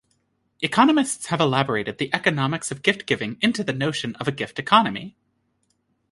Economists have elaborated the economics of gift-giving into the notion of a gift economy.